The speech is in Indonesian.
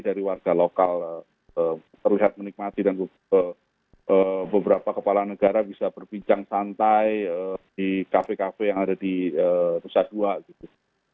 dari warga lokal terlihat menikmati dan beberapa kepala negara bisa berbincang santai di kafe kafe yang ada di nusa dua gitu